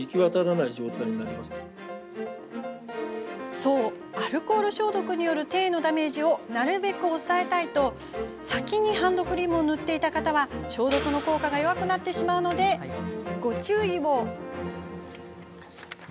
そう、アルコール消毒による手へのダメージをなるべく抑えたいと先にハンドクリームを塗っていた方は消毒の効果が弱くなってしまうので、ご注意を。